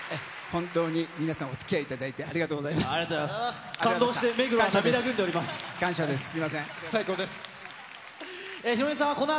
本当に皆さん、おつきあいいありがとうございます。